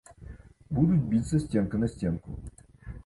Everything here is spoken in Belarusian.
Будуць біцца сценка на сценку.